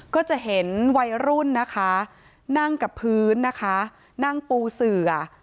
ก็จะเห็นวัยรุ่นนะคะนั่งกับพื้นนะคะนั่งปูเสือ